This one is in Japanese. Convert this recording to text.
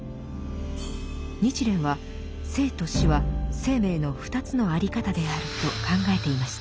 日蓮は生と死は生命の二つのあり方であると考えていました。